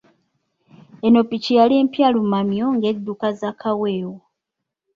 Eno ppiki yali mpya lumamyo ng’edduka za kaweewo.